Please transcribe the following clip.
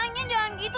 nye jangan gitu